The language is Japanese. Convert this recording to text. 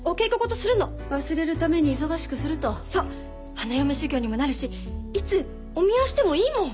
花嫁修業にもなるしいつお見合いしてもいいもん。